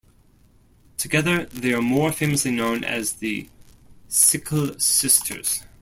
Together they are more famously known as the Sikkil Sisters.